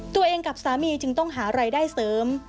ตัวเองกับสามีจึงต้องหารายได้เสริม